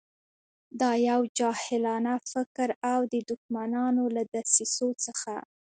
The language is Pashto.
دا یو جاهلانه فکر او د دښمنانو له دسیسو څخه.